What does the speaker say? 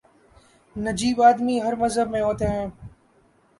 نجیب آدمی ہر مذہب میں ہوتے ہیں۔